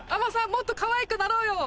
もっとかわいくなろうよ！